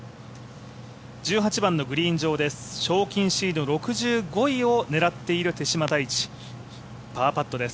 １８番のグリーン上です、賞金シード６５位を狙っている手嶋多一です。